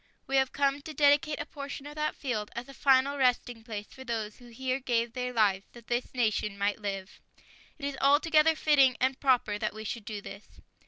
We have come to dedicate a portion of that field as a final resting place for those who here gave their lives that this nation might live. It is altogether fitting and proper that we should do this.